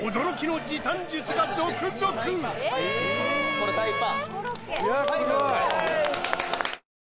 これタイパ。